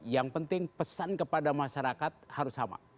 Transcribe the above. yang penting pesan kepada masyarakat harus sama